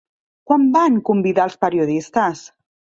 Quan van convidar als periodistes?